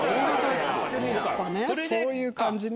そういう感じね。